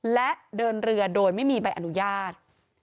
และเดินเรือโดยไม่มีใบอนุญาต